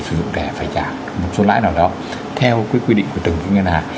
người sử dụng thẻ phải trả một số lãi nào đó theo cái quy định của từng cái ngân hàng